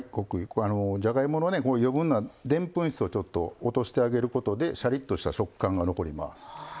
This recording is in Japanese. じゃがいもの余分なでんぷん質をちょっと落としてあげることでシャリッとした食感が残ります。